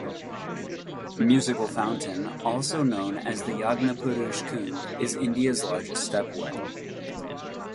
Musical fountain, also Known as the Yagnapurush Kund, is India's largest step well.